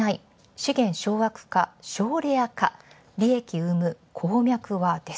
資源掌握か、省レアか、利益うむ鉱脈は。